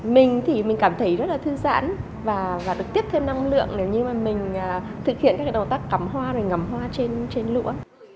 mình thì mình cảm thấy rất là thư giãn và được tiếp thêm năng lượng nếu như mà mình thực hiện các cái đầu tác cắm hoa rồi ngầm hoa trên lũa